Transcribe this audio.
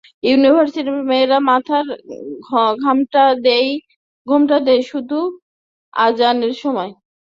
ইউনিভার্সিটির মেয়েরা মাথায় ঘোমটা দেয় শুধু আজানের সময়।